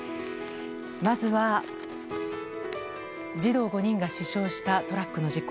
まずは、児童５人が死傷したトラックの事故。